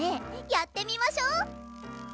やってみましょ！